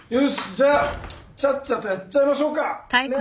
じゃあちゃっちゃとやっちゃいましょうか。